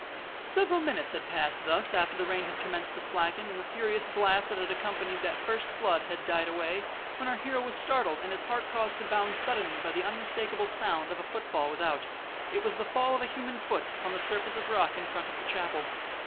Several minutes had passed thus after the rain had commenced to slacken, and the furious blast that had accompanied the first flood had died away, when our hero was startled and his heart caused to bound suddenly by the unmistakable sound of a footfall without. It was the fall of a human foot upon the surface of rock in front of the chapel!